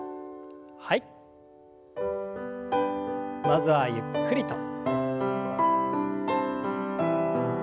まずはゆっくりと。